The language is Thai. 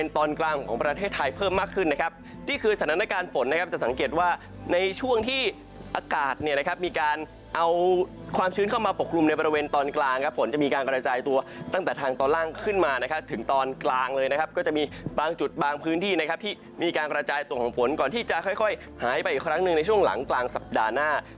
ตั้งแต่ทางตอนล่างขึ้นมานะครับถึงตอนกลางเลยนะครับก็จะมีบางจุดบางพื้นที่นะครับที่มีการกระจายตัวของฝนก่อนที่จะค่อยหายไปอีกครั้งหนึ่งในช่วงหลังกลางสัปดาห์หน้า